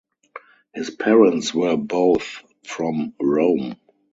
His parents were both from Rome.